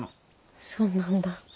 そうなんだ。